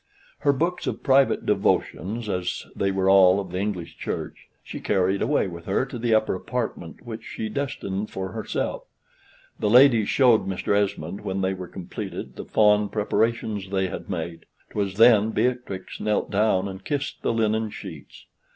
Her books of private devotions, as they were all of the English Church, she carried away with her to the upper apartment, which she destined for herself. The ladies showed Mr. Esmond, when they were completed, the fond preparations they had made. 'Twas then Beatrix knelt down and kissed the linen sheets.